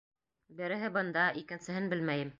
— Береһе бында, икенсеһен белмәйем...